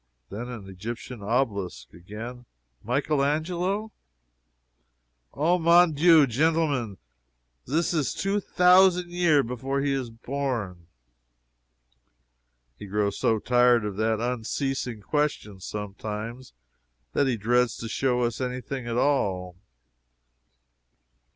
Then an Egyptian obelisk. Again: "Michael Angelo?" "Oh, mon dieu, genteelmen! Zis is two thousan' year before he is born!" He grows so tired of that unceasing question sometimes, that he dreads to show us any thing at all.